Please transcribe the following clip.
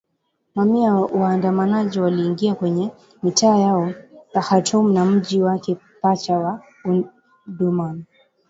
Mamia ya waandamanaji waliingia kwenye mitaa yote ya Khartoum na mji wake pacha wa Omdurman